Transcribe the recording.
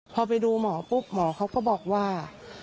พอไปดูหมอปุ๊บหมอเขาก็บอกว่า